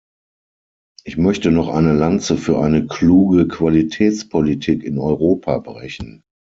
Ich möchte noch eine Lanze für eine kluge Qualitätspolitik in Europa brechen.